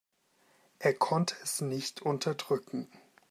Er konnte es nicht unterdrücken.